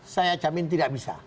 saya jamin tidak bisa